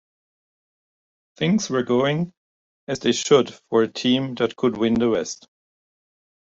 Things were going as they should for a team that could win the west.